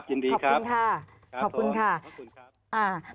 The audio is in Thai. ยินดีครับรับคุณครับรับคุณครับขอบคุณ